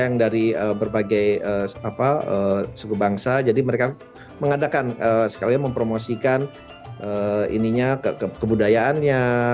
yang dari berbagai apa sebuah bangsa jadi mereka mengadakan sekalian mempromosikan ininya kebudayaannya